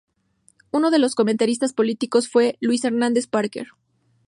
Uno de sus comentaristas políticos fue Luis Hernández Parker.